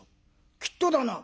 きっとだな？」。